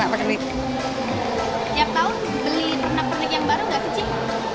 tiap tahun beli pernak pernik yang baru gak kecil